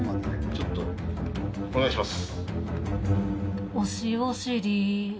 ちょっとお願いします。